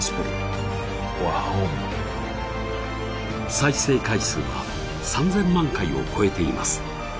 再生回数は３０００万回を超えています。